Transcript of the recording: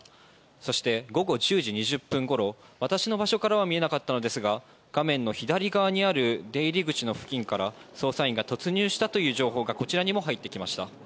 そして、午後１０時２０分ごろ私の場所からは見えなかったのですが画面の左側にある出入り口の付近から捜査員が突入したという情報がこちらにも入ってきました。